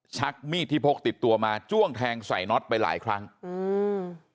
ชักมีดที่พกติดตัวมาจ้วงแทงใส่น็อตไปหลายครั้งอืม